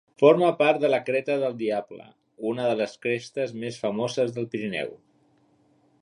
Forma part de la creta del Diable, una de les crestes més famoses del Pirineu.